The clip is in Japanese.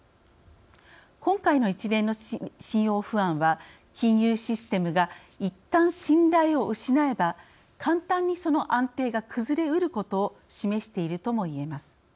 今回の一連の信用不安は金融システムがいったん信頼を失えば簡単にその安定が崩れうることを示しているとも言えます。